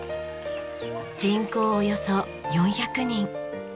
人口およそ４００人。